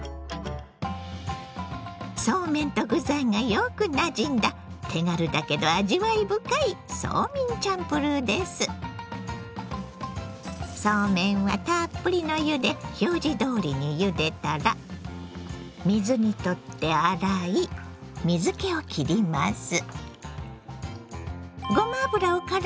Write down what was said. そうめんと具材がよくなじんだ手軽だけど味わい深いそうめんはたっぷりの湯で表示どおりにゆでたら水にとって洗い水けをきります。